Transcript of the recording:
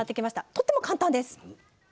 とっても簡単です。